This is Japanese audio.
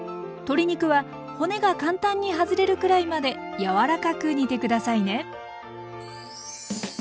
鶏肉は骨が簡単に外れるくらいまで柔らかく煮て下さいね。